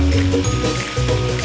ikan bisa dipakai dengan selera